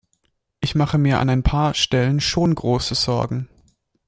Ich mache mir an ein paar Stellen schon große Sorgen.